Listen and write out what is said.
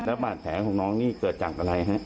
แล้วบาดแผลของน้องนี่เกิดจากอะไรฮะ